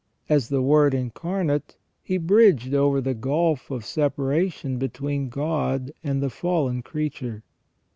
As the Word Incarnate He bridged over the gulf of separation between God and the fallen creature.